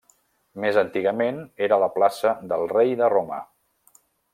Més antigament, era la plaça del Rei de Roma.